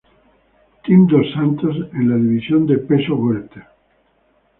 Team dos Santos en la división de peso welter.